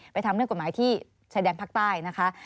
ทำเรื่องกฎหมายที่ชายแดนภาคใต้นะคะ